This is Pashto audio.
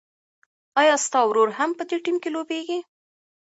ایا ستا ورور هم په دې ټیم کې لوبېږي؟